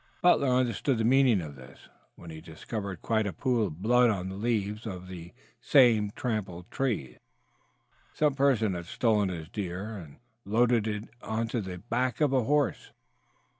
Butler understood the meaning of this when he discovered quite a pool of blood on the leaves of some trampled bushes. Some person had stolen his deer and loaded it to the back of the horse.